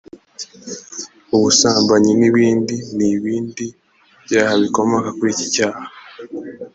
ubusambanyi n’ibindi ni ibindi byaha bikomoka kuri iki cyaha